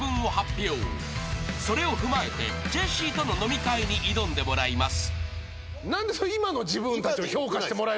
［それを踏まえてジェシーとの飲み会に挑んでもらいます］